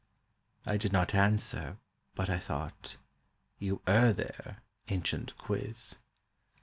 I did not answer; but I thought, "you err there, ancient Quiz."